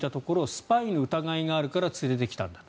スパイの疑いがあるから連れてきたんだと。